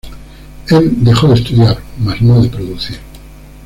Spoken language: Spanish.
El dejó de estudiar, más no de producir.